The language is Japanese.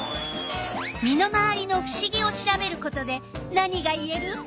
身の回りのふしぎを調べることで何がいえる？